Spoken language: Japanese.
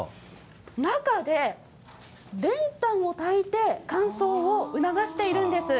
中で、練炭をたいて乾燥を促しているんです。